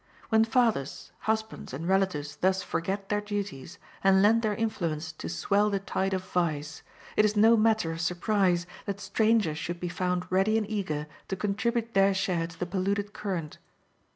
When fathers, husbands, and relatives thus forget their duties, and lend their influence to swell the tide of vice, it is no matter of surprise that strangers should be found ready and eager to contribute their share to the polluted current.